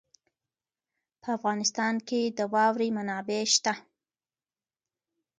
په افغانستان کې د واوره منابع شته.